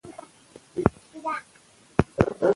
مکناټن له هغه سره خبري کولې.